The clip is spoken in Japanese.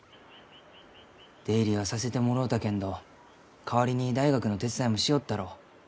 出入りはさせてもろうたけんど代わりに大学の手伝いもしよったろう。